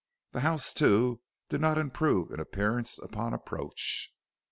The house, too, did not improve in appearance upon approach.